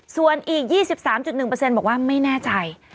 ส่วนอีก๒๓๑บอกว่าไม่แน่ใจ